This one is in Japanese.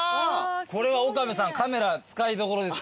これは岡部さんカメラ使いどころです